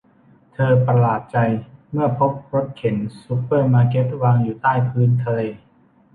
เธอประหลาดใจเมื่อพบรถเข็นซูเปอร์มาร์เก็ตวางอยู่ใต้พื้นทะเล